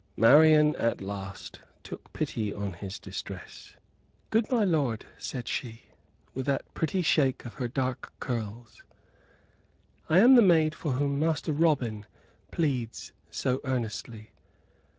Marian, at last, took pity on his distress. "Good my lord," said she, with that pretty shake of her dark curls, "I am the maid for whom Master Robin pleads so earnestly.